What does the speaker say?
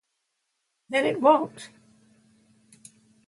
Then it won't.